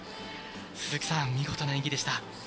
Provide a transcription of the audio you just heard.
鈴木さん、見事な演技でした。